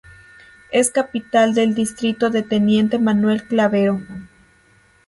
Es capital del distrito de Teniente Manuel Clavero.